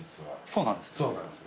そうなんですか？